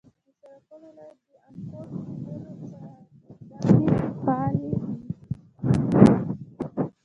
د سرپل ولایت د انګوت د تیلو څاګانې فعالې دي.